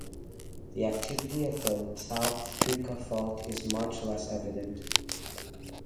The activity of the South-Tunka fault is much less evident.